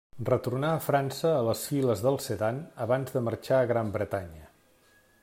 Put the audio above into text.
Retornà a França a les files del Sedan abans de marxar a Gran Bretanya.